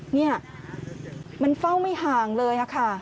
นี่มันเฝ้าไม่ห่างเลยค่ะ